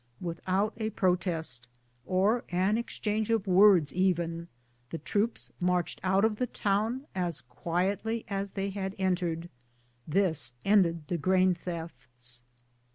Without a protest, or an exchange of words even, the troops marched out of the town as quietly as they had entered. This ended the grain thefts.